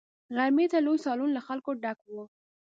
غرمې ته لوی سالون له خلکو ډک وو.